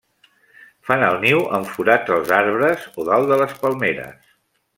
Fan el niu en forats als arbres o dalt de les palmeres.